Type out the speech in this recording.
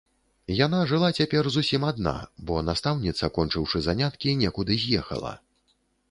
Яна жыла цяпер зусім адна, бо настаўніца, кончыўшы заняткі, некуды з'ехала.